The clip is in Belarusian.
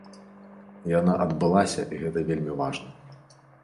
Яна адбылася і гэта вельмі важна.